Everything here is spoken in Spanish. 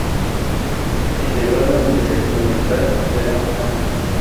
Se integró a la milicia como militar de bajo rango.